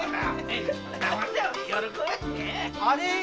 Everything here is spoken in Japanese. あれ？